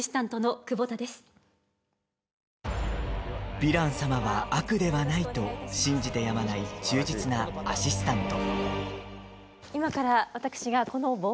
ヴィラン様は悪ではないと信じてやまない忠実なアシスタント。